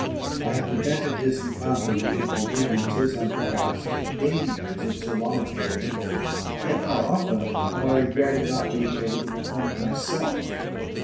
I have prevented his encountering the inconveniences and perhaps dangers of so long a journey; yet how often have I regretted not being able to perform it myself!